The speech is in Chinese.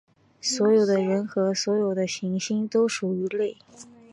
所有的人和所有的行星都属于类。